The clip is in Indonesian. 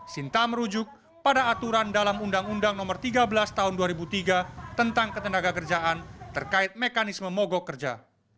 sinta merujuk pada aturan dalam undang undang no tiga belas tahun dua ribu tiga tentang ketenaga kerjaan terkait mekanisme mogok kerja